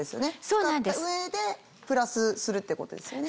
使った上でプラスするっていうことですよね。